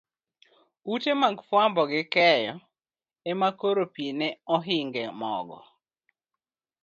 Ute mag fuambo gi keyo ema koro pi ne ohinge mogo.